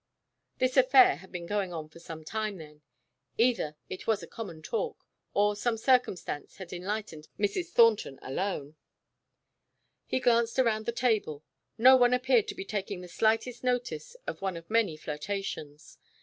This affair had been going on for some time, then. Either it was common talk, or some circumstance had enlightened Mrs. Thornton alone. He glanced around the table. No one appeared to be taking the slightest notice of one of many flirtations.